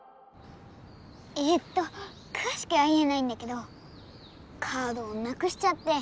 えっとくわしくは言えないんだけどカードをなくしちゃって。